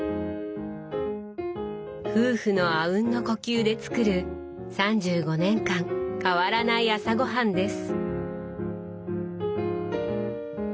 夫婦のあうんの呼吸で作る３５年間変わらない朝ごはんです。